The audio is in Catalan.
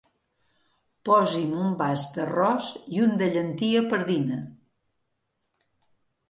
Posi'm un vas d'arròs i un de llentia pardina.